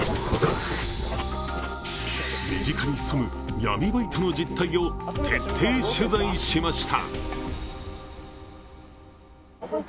身近に潜む闇バイトの実態を徹底取材しました。